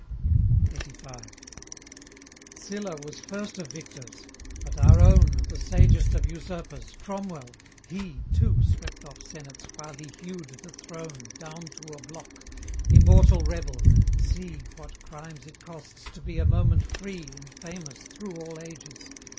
LXXXV. Sylla was first of victors; but our own, The sagest of usurpers, Cromwell! he Too swept off senates while he hewed the throne Down to a block immortal rebel! See What crimes it costs to be a moment free And famous through all ages!